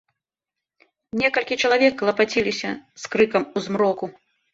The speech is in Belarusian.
Некалькі чалавек клапаціліся з крыкам у змроку.